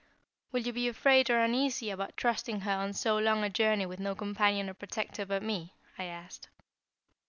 "Will you be afraid or uneasy about trusting her on so long a journey with no companion or protector but me?" I asked.